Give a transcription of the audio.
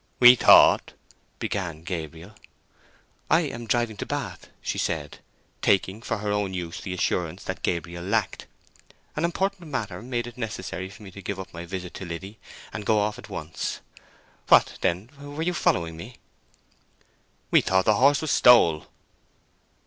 "We thought—" began Gabriel. "I am driving to Bath," she said, taking for her own use the assurance that Gabriel lacked. "An important matter made it necessary for me to give up my visit to Liddy, and go off at once. What, then, were you following me?" "We thought the horse was stole."